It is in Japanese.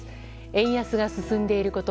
円安が進んでいること